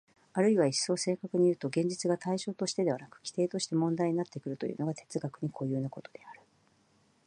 あるいは一層正確にいうと、現実が対象としてでなく基底として問題になってくるというのが哲学に固有なことである。